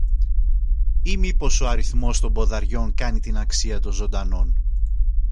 Ή μήπως ο αριθμός των ποδαριών κάνει την αξία των ζωντανών;